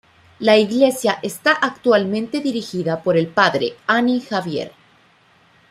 La iglesia está actualmente dirigida por el padre Ani Xavier.